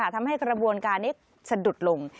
ทำให้กระบวนการนี้สะดุดลง